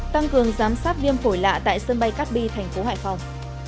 tăng cường giám sát viêm phổi lạ tại sân bay cát bi thành phố hải phòng